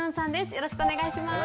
よろしくお願いします。